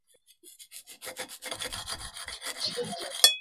Ba mama ba fanye kazi yoyote kisha mashamba